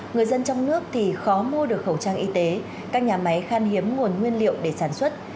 người dân trong nước thì khó mua được khẩu trang y tế các nhà máy khan hiếm nguồn nguyên liệu để sản xuất